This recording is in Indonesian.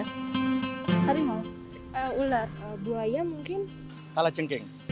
harimau ular buaya mungkin tala cengking